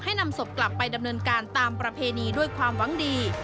นำศพกลับไปดำเนินการตามประเพณีด้วยความหวังดี